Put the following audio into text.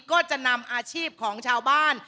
ก็จะนำอาชีพของชาวบ้าน